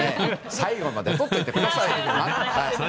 最後までとっといてくださいよ。